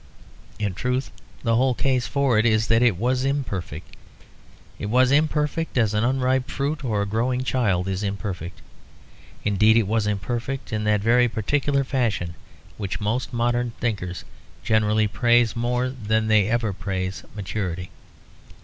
In truth the whole case for it is that it was imperfect. It was imperfect as an unripe fruit or a growing child is imperfect. Indeed it was imperfect in that very particular fashion which most modern thinkers generally praise, more than they ever praise maturity.